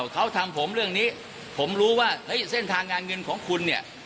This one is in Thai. เขาทำผมเรื่องนี้ผมรู้ว่าเฮ้ยเส้นทางงานเงินของคุณเนี่ย